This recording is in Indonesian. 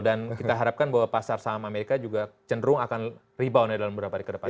dan kita harapkan bahwa pasar saham amerika juga cenderung akan rebound ya dalam beberapa hari ke depannya